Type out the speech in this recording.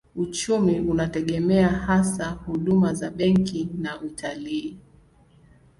Uchumi unategemea hasa huduma za benki na utalii.